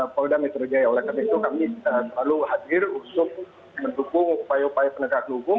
pau damai terjaya oleh karena itu kami selalu hadir untuk mendukung upaya upaya penegak hukum